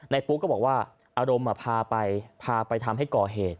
ปุ๊กก็บอกว่าอารมณ์พาไปพาไปทำให้ก่อเหตุ